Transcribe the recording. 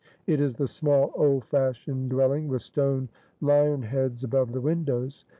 It is the small old fashioned dwelling with stone lion heads above the windows.